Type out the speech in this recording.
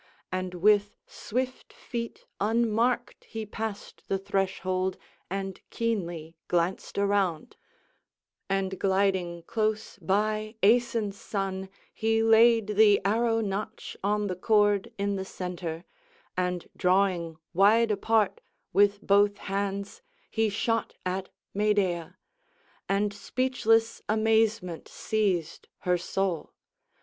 And with swift feet unmarked he passed the threshold and keenly glanced around; and gliding close by Aeson's son he laid the arrow notch on the cord in the centre, and drawing wide apart with both hands he shot at Medea; and speechless amazement seized her soul.